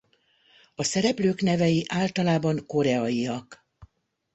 A szereplők nevei általában koreaiak.